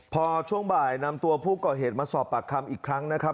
พอช่วงบ่ายนำตัวผู้ก่อเหตุมาสอบปากคำอีกครั้งนะครับ